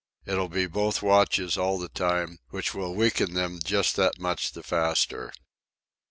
It'll be both watches all the time, which will weaken them just that much the faster."